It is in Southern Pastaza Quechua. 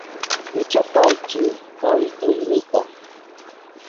Pichapaychi kawituynita.